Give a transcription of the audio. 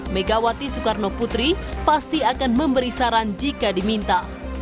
megawati soekarno putri pasti akan memberi saran jika diminta